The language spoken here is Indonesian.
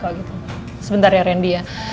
kalau gitu sebentar ya rendy